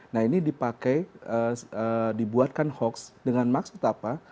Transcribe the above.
nah ini dipakai dibuatkan hoax dengan maksud apa